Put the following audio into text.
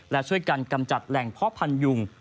และช่วยกันกำจัดแหล่งเพาะพันยุง